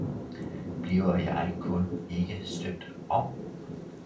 Bliver jeg kun ikke støbt om!